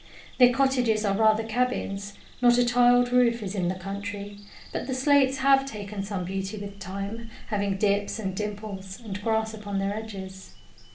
Their cottages are rather cabins; not a tiled roof is in the country, but the slates have taken some beauty with time, having dips and dimples, and grass upon their edges.